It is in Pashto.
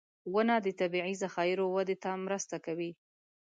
• ونه د طبعي ذخایرو وده ته مرسته کوي.